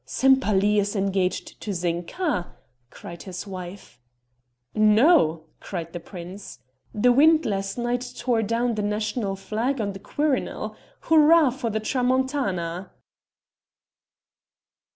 "Sempaly is engaged to Zinka?" cried his wife. "No!" cried the prince; "the wind last night tore down the national flag on the Quirinal. Hurrah for the Tramontana!"